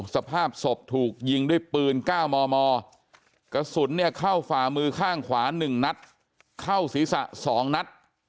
สภาพศพถูกยิงด้วยปืน๙มมกระสุนเนี่ยเข้าฝ่ามือข้างขวา๑นัดเข้าศีรษะ๒นัด